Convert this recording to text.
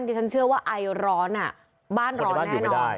เดี๋ยวฉันเชื่อว่าไอร้อนอ่ะบ้านร้อนแน่นอน